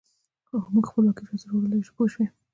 موږ خپلواکي لاسته راوړلای شو پوه شوې!.